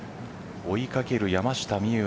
追いかける山下美夢